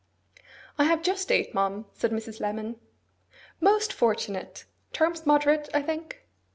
'I have just eight, ma'am,' said Mrs. Lemon. 'Most fortunate! Terms moderate, I think?